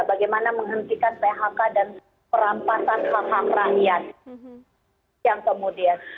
bagaimana menghentikan phk dan perampasan hak hak rakyat yang kemudian